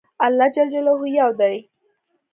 الله ج يو دی